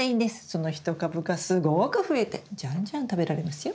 その１株がすごく増えてじゃんじゃん食べられますよ。